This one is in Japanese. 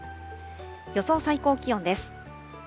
予想最高気温です。